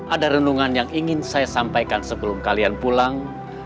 ada renungan yang ingin saya sampaikan sebelum kalian pulang